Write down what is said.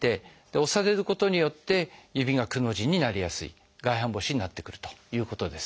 押されることによって指がくの字になりやすい外反母趾になってくるということです。